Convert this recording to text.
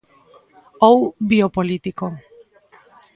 Ou biopolítico.